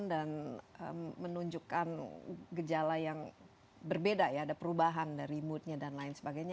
dan menunjukkan gejala yang berbeda ya ada perubahan dari moodnya dan lain sebagainya